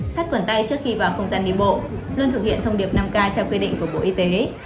sát khuẩn tay trước khi vào không gian đi bộ luôn thực hiện thông điệp năm k theo quy định của bộ y tế